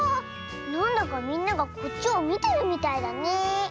なんだかみんながこっちをみてるみたいだねえ。